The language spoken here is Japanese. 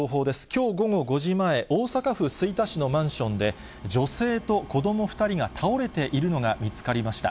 きょう午後５時前、大阪府吹田市のマンションで、女性と子供２人が倒れているのが見つかりました。